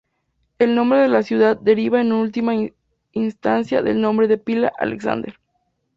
El nombre de la ciudad deriva en última instancia del nombre de pila "Alexander".